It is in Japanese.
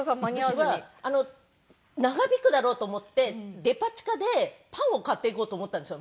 私は長引くだろうと思ってデパ地下でパンを買っていこうと思ったんですよ